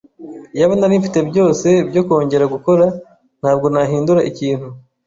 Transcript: Iyaba nari mfite byose byo kongera gukora, ntabwo nahindura ikintu.